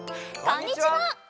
こんにちは！